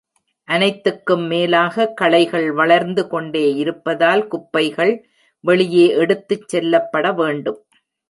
அனைத்துக்கும் மேலாக, களைகள் வளர்ந்து கொண்டே இருப்பதால், குப்பைகள் வெளியே எடுத்துச் செல்லப்பட வேண்டும்.